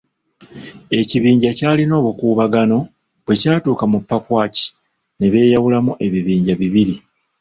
Ekibinja kyalina obukuubagano bwe kyatuuka mu Pakwach ne beeyawulamu ebibinja bibiri.